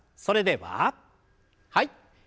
それでははい。